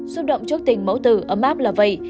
xúc động trước tình mẫu tử ấm áp là vậy